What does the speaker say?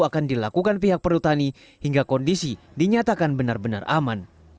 akan dilakukan pihak perhutani hingga kondisi dinyatakan benar benar aman